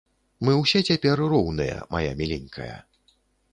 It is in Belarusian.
Мы ўсе цяпер роўныя, мая міленькая.